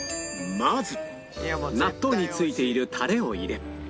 まず納豆に付いているタレを入れ